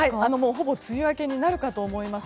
ほぼ梅雨明けになるかと思います。